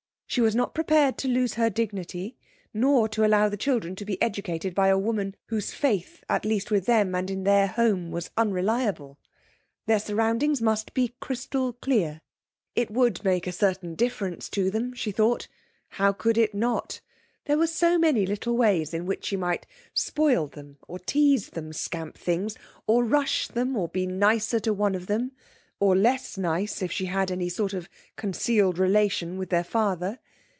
She was not prepared to lose her dignity, nor to allow the children to be educated by a woman whose faith at least with them and in their home was unreliable; their surroundings must be crystal clear. It would make a certain difference to them, she thought. How could it not? There were so many little ways in which she might spoil them or tease them, scamp things, or rush them, or be nicer to one of them, or less nice, if she had any sort of concealed relation with their father.